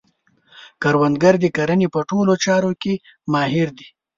کروندګر د کرنې په ټولو چارو کې ماهر دی